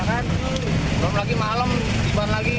belum lagi malam tiban lagi